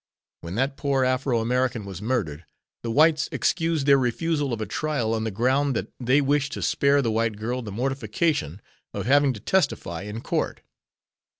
When that poor Afro American was murdered, the whites excused their refusal of a trial on the ground that they wished to spare the white girl the mortification of having to testify in court.